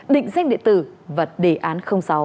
định danh địa tử và đề án sáu